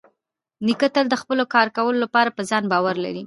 نیکه تل د خپل کار کولو لپاره په ځان باور لري.